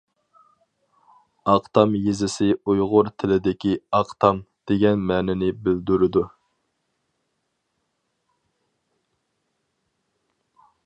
ئاقتام يېزىسى ئۇيغۇر تىلىدىكى «ئاق تام» دېگەن مەنىنى بىلدۈرىدۇ.